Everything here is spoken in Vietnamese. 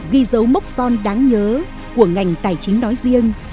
ghi dấu mốc son đáng nhớ của ngành tài chính nói riêng